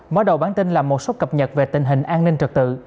mở đầu bản tin là một số cập nhật về tình hình an ninh trật tự